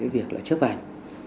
việc là chấp hành